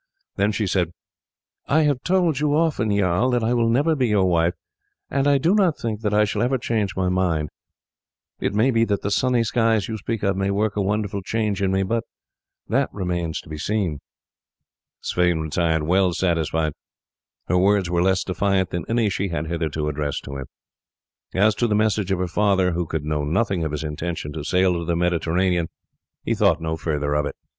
Then she said: "I have told you often, jarl, that I will never be your wife, and I do not think that I shall ever change my mind. It may be that the sunny skies you speak of may work a wonderful change in me, but that remains to be seen." Sweyn retired well satisfied. Her words were less defiant than any she had hitherto addressed to him. As to the message of her father, who could know nothing of his intention to sail to the Mediterranean, he thought no further of it.